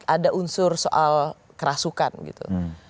ada unsur soal kerasukan gitu